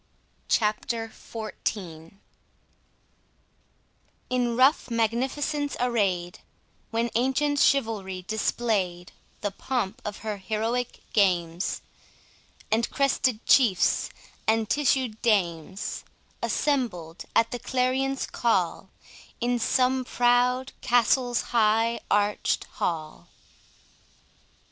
CHAPTER XIV In rough magnificence array'd, When ancient Chivalry display'd The pomp of her heroic games, And crested chiefs and tissued dames Assembled, at the clarion's call, In some proud castle's high arch'd hall.